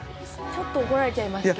ちょっと怒られちゃいますけど。